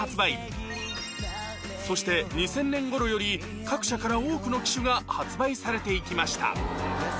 そして２０００年頃より各社から多くの機種が発売されていきました